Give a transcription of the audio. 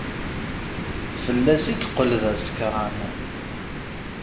Fell-as i yeqqel d asekṛan.